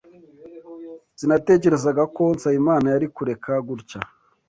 Sinatekerezaga ko Nsabimana yari kureka gutya.